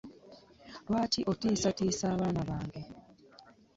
Lwaki otiisatiisa abaana bange?